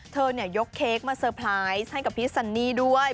เธอเนี่ยยกเค้กมาเซอร์ไพรส์ให้กับพี่สันนี่ด้วย